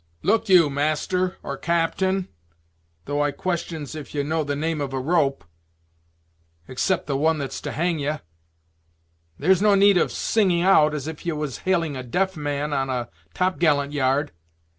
"Look you, master or captain, thof I questions if ye know the name of a rope, except the one that's to hang ye, there's no need of singing out, as if ye was hailing a deaf man on a topgallant yard.